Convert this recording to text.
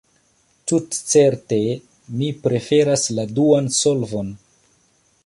Tutcerte mi preferas la duan solvon.